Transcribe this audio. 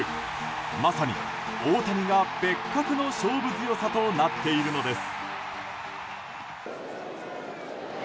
まさに大谷が別格の勝負強さとなっているのです。